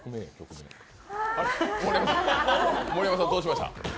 盛山さん、どうしました？